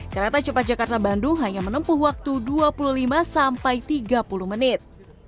kereta cepat jakarta bandung hanya menempuh waktu dua puluh lima sampai tiga puluh menit